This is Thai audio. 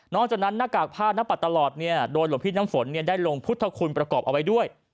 จากนั้นหน้ากากผ้าหน้าปัดตลอดเนี่ยโดยหลวงพี่น้ำฝนได้ลงพุทธคุณประกอบเอาไว้ด้วย